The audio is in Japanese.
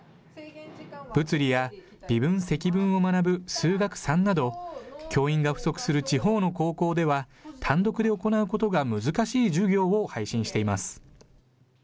物理や微分・積分を学ぶ数学３など、教員が不足する地方の高校では単独で行うことが難しい授業を配信しています。